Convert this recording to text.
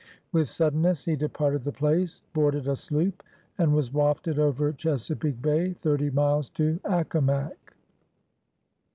With suddenness he departed the place, boarded a sloop, and was ^* wafted over Chesapeake Bay thirty miles to Accomac."